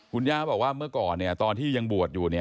คุณย่าบอกว่าเมื่อก่อนตอนที่ยังบวชอยู่